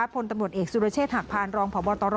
พลตำรวจเอกสุรเชษฐหักพานรองพบตร